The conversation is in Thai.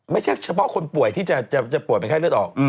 ไม่ใช่เฉพาะคนป่วยที่จะป่วยเป็นไข้เลือดออก